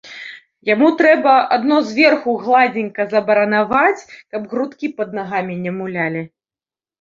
Яму трэба адно зверху гладзенька забаранаваць, каб грудкі пад нагамі не мулялі.